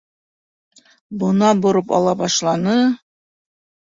Бына бороп ала башланы!